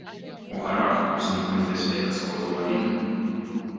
У гарах ўзнікла небяспека сходу лавін.